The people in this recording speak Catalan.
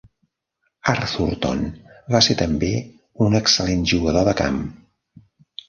Arthurton va ser també un excel·lent jugador de camp.